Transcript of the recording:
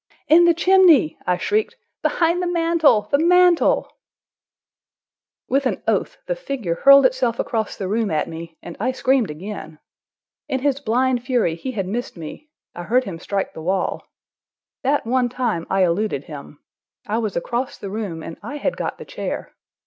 "In the chimney!" I shrieked. "Behind the mantel! The mantel!" With an oath the figure hurled itself across the room at me, and I screamed again. In his blind fury he had missed me; I heard him strike the wall. That one time I eluded him; I was across the room, and I had got the chair.